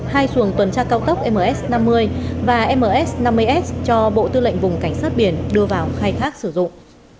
hai xuồng tuần tra cao tốc ms năm mươi và ms năm mươi s cho bộ tư lệnh vùng cảnh sát biển đưa vào khai thác sử dụng